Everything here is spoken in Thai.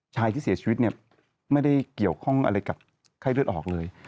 ชายที่เสียชีวิตเนี่ยไม่ได้เกี่ยวข้องอะไรกับไข้เลือดออกเลย